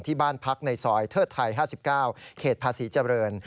ที่บ้านพักในซอยเทิดไทย๕๙เขตภาษีเจริญ